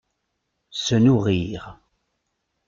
Se nourrir.